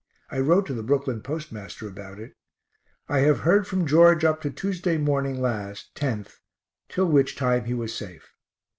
I wrote to the Brooklyn postmaster about it. I have heard from George up to Tuesday morning last, 10th, till which time he was safe.